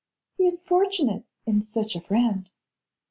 'He is fortunate in such a friend.